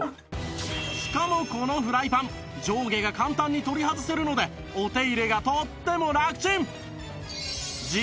しかもこのフライパン上下が簡単に取り外せるのでお手入れがとってもラクチン！